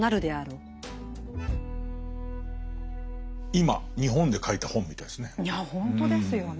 今日本で書いた本みたいですね。